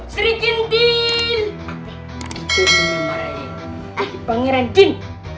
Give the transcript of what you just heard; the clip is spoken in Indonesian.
seri jendil pangeran jin